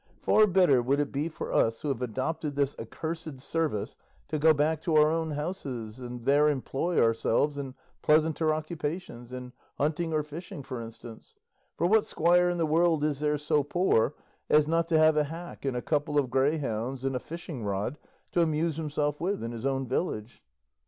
Far better would it be for us who have adopted this accursed service to go back to our own houses, and there employ ourselves in pleasanter occupations in hunting or fishing, for instance; for what squire in the world is there so poor as not to have a hack and a couple of greyhounds and a fishingrod to amuse himself with in his own village?"